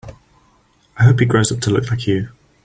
I hope he grows up to look like you.